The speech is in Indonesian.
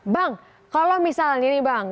bang kalau misalnya ini bang